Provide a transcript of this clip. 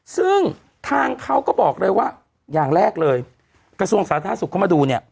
ซึ่งทางเขาก็บอกเลยว่าอย่างแรกเลยกระทรวงสาธารณสุขเข้ามาดูเนี่ย